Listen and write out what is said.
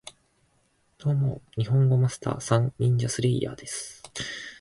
ドーモ、ニホンゴマスター＝サン！ニンジャスレイヤーです